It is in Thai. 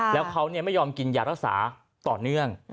แล้วเขาไม่ยอมกินยารักษาต่อเนื่อง